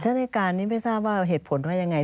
ชั้นอายการนี้ไม่ทราบว่าเหตุผลเพราะยังไง